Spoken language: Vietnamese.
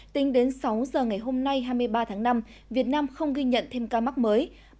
tính đến sáu giờ ngày hôm nay hai mươi ba tháng năm việt nam không ghi nhận thêm ca mắc mới